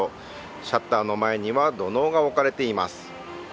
シャッターの前には土のうが置かれています。